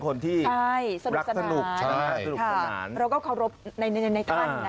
คนที่ใช่รักสนุกใช่สนุกขนาดเราก็เคารพในในในในขั้นนะฮะ